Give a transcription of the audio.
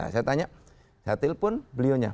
saya tanya saya telpon beliaunya